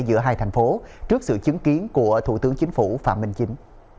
giữa hai thành phố trước sự chứng kiến của thủ tướng chính phủ phạm minh chính